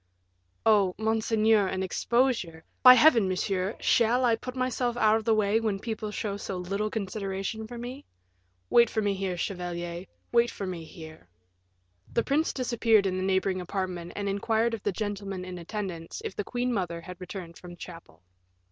"Oh, monseigneur, an exposure " "By Heaven, monsieur, shall I put myself out of the way, when people show so little consideration for me? Wait for me here, chevalier, wait for me here." The prince disappeared in the neighboring apartment and inquired of the gentleman in attendance if the queen mother had returned from chapel.